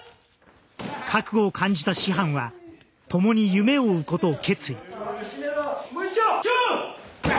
覚悟を感じた師範はともに夢を追うことを決意。